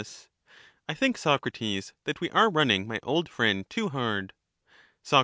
I think, Socrates, that we are running my old friend too hard. Soc.